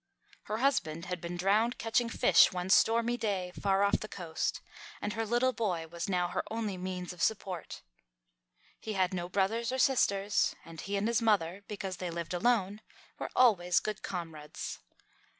Her husband had been drowned catching fish one stormy day far off the coast, and her little boy was now her only means of support. He had no brothers or sisters, and he and his mother, because they lived alone, were always good comrades.